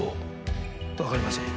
わかりません。